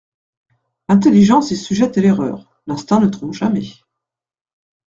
L'intelligence est sujette à l'erreur ; l'instinct ne trompe jamais.